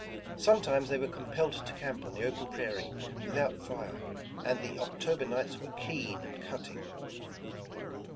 Sometimes thej^ were compelled to camp on the open prairie without fire, and the October nights were keen and cutting.